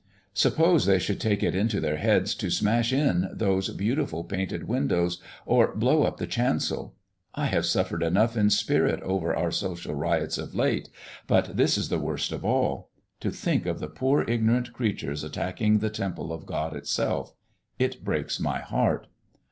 Suppose they should take it into their heads to smash in those beautiful, painted windows or blow up the chancel. I have suffered enough in spirit over our social riots of late, but this is the worst of all. To think of the poor, ignorant creatures attacking the Temple of God itself; it breaks my heart!"